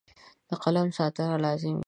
د قلم ساتنه لازمي ده.